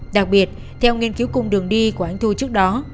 đặc biệt theo nghiên cứu cung đường đi của anh thu trước đó